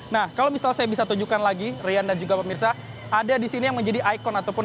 nah kalau misalnya saya bisa tunjukkan lagi rian dan juga pemirsa ada di sini yang menjadi ikon ataupun